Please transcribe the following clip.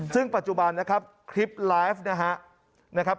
ซึ่งปัจจุบันนะครับคลิปไลฟ์นะครับ